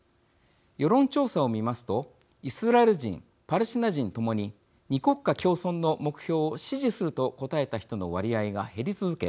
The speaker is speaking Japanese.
世論調査を見ますとイスラエル人パレスチナ人ともに２国家共存の目標を支持すると答えた人の割合が減り続け